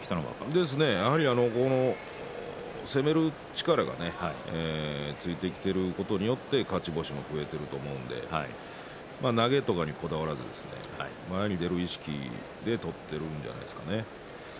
そうですね、攻める力がねついてきていることによって勝ち越しも増えていると思うので投げとかにこだわらず前に出る意識で取っているんじゃないですかね。